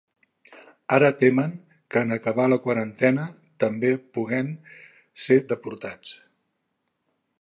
Ara temen que, en acabar la quarantena, també puguen ser deportats.